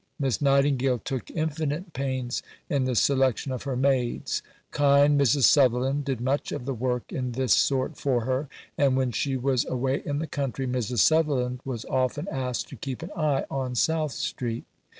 Miss Nightingale took infinite pains in the selection of her maids. Kind Mrs. Sutherland did much of the work in this sort for her, and when she was away in the country Mrs. Sutherland was often asked to keep an eye on South Street.